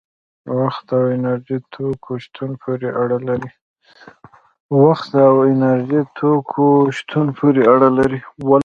وخت او د انرژي توکو شتون پورې اړه لري.